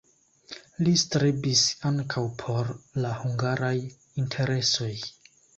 Li strebis ankaŭ por la hungaraj interesoj.